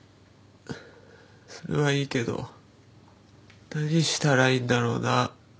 それはいいけど何したらいいんだろうな